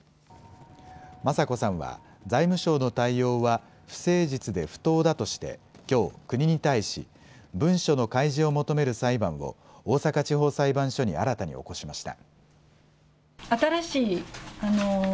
雅子さんは、財務省の対応は不誠実で不当だとして、きょう、国に対し、文書の開示を求める裁判を大阪地方裁判所に新たに起こしました。